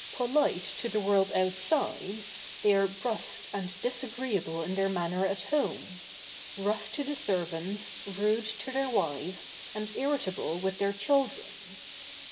Polite to the world outside, they are brusque and disagreeable in their manner at home: rough to the servants, rude to their wives, and irritable with their children.